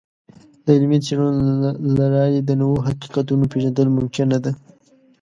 د علمي څیړنو له لارې د نوو حقیقتونو پیژندل ممکنه ده.